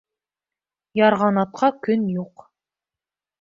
Ярғанатҡа көн юҡ.